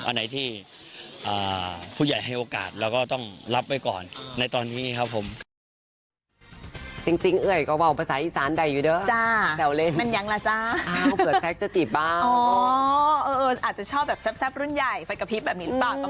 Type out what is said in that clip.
อันไหนที่ผู้ใหญ่ให้โอกาสเราก็ต้องรับไว้ก่อนในตอนนี้ครับผม